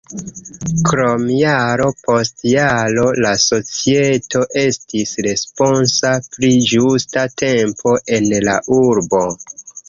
Krome jaro post jaro la societo estis responsa pri ĝusta tempo en la urbo.